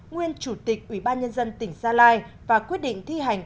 nguyên chủ tịch ubnd tỉnh gia lai và quyết định thi hành